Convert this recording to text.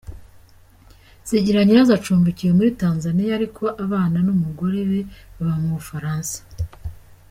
Zigiranyirazo acumbikiwe muri Tanzania ariko abana n’umugore be baba mu Bufaransa.